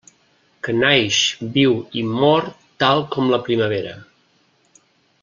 Que naix, viu i mor tal com la primavera.